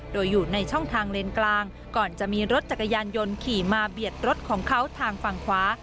โดยอยู่ในช่องทางเลนกลางก่อนจะมีรถจักรยานยนต์ขี่มาเบียดรถของเขาทางฝั่งขวา